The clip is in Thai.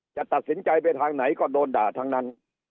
จะตัดสินใจไปทางไหนก็โดนด่าทั้งนั้น